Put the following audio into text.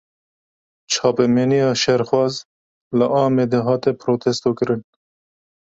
Çapemeniya şerxwaz, li Amedê hate protestokirin